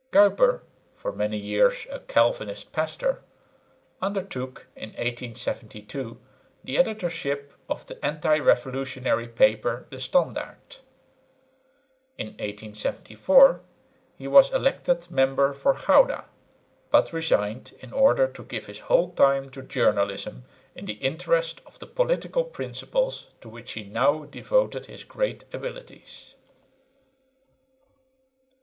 Kuyper, for many years a Calvinist pastor, undertook in 1872 the editorship of the anti revolutionary paper, De Standdard. In 1874 he was elected member for Gouda, but resigned in order to give his whole time to journalism in the interest of the political principles to which he now devoted his great abilities.